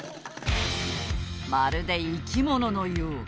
まるで生き物のよう。